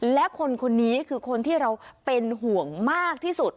และคนคนนี้คือคนที่เราเป็นห่วงมากที่สุด